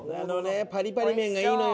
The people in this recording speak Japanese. パリパリ麺がいいのよ。